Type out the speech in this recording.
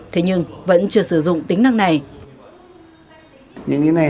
thế nhưng vẫn chưa sử dụng tính năng này